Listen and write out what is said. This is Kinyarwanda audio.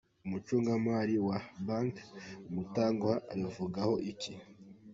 Umucungamari wa banki Umutanguha abivugaho iki?.